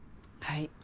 はい。